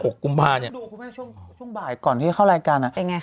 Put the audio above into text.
กูดูครับคุณแม่ช่วงบ่ายก่อนที่เข้ารายการนะ